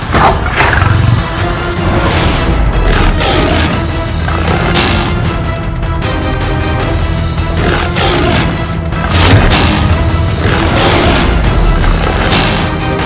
sebelum kau melupakan saya paling baik